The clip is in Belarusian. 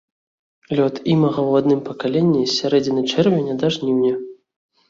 Лёт імага ў адным пакаленні з сярэдзіны чэрвеня да жніўня.